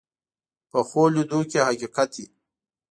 پخو لیدو کې حقیقت وي